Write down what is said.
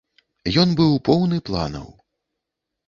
Ён быў поўны планаў.